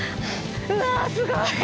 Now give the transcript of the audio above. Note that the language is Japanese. うわすごい！